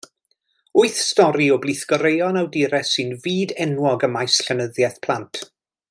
Wyth stori o blith goreuon awdures sy'n fyd-enwog ym maes llenyddiaeth plant.